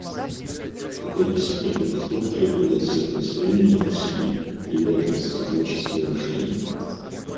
Такой постепенный подход потребует от всех нас времени, усилий, приверженности и творческого мышления.